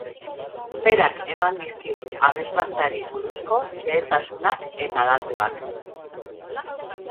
Berak eman dizkigu abesbatzari buruzko xehetasunak eta datuak.